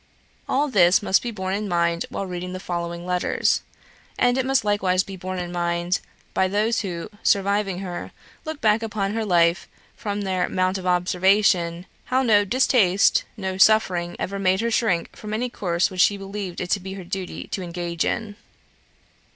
All this must be borne in mind while reading the following letters. And it must likewise be borne in mind by those who, surviving her, look back upon her life from their mount of observation how no distaste, no suffering ever made her shrink from any course which she believed it to be her duty to engage in.